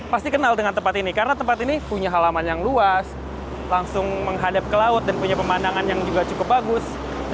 pasti kenal dengan tempat ini karena tempat ini punya halaman yang luas langsung menghadap ke laut dan punya pemandangan yang juga cukup bagus